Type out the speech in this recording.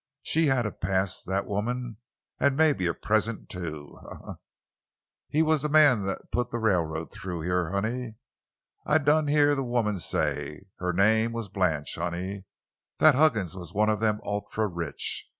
She had a past, that woman, an' mebbe a present, too—he, he, he! "He was the man what put the railroad through here, honey. I done hear the woman say—her name was Blanche, honey—that Huggins was one of them ultra rich.